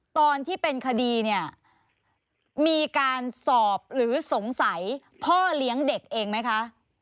ตอนที่เป็นคดีเนี่ยมีการสอบหรือสงสัยพ่อเลี้ยงเด็กเองไหมคะ